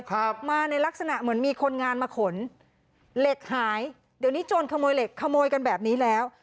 ครับมาในลักษณะเหมือนมีคนงานมาขนเหล็กหายเดี๋ยวนี้โจรขโมยเหล็กขโมยกันแบบนี้แล้ว